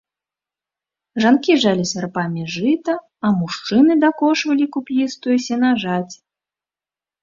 Жанкі жалі сярпамі жыта, а мужчыны дакошвалі куп'істую сенажаць.